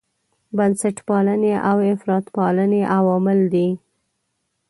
بنسټپالنې او افراطپالنې عوامل دي.